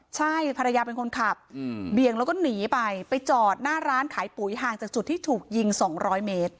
ใช่ภรรยาเป็นคนขับเบี่ยงแล้วก็หนีไปไปจอดหน้าร้านขายปุ๋ยห่างจากจุดที่ถูกยิง๒๐๐เมตร